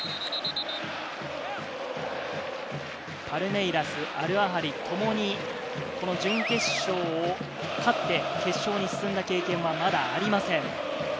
パルメイラス、アルアハリともにこの準決勝を勝って、決勝に進んだ経験はまだありません。